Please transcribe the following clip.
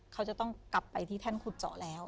เขาจะต้องกลับไปที่แท่นขุดเจาะแล้ว